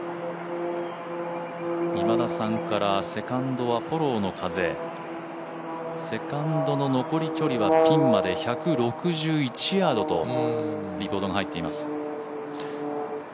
今田さんから、セカンドはフォローの風、セカンドの残り距離はピンまで１６１ヤードとリポートが入っています。